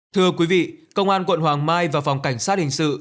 thưa quý vị công an quận hoàng mai và phòng cảnh sát hình sự